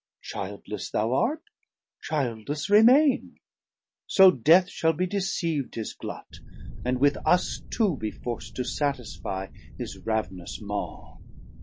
Childless thou art, Childless remaine: So Death shall be deceav'd his glut, and with us two 990 Be forc'd to satisfie his Rav'nous Maw.